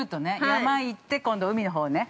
山行って、今度海のほうね。